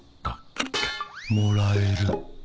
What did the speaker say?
もらえる。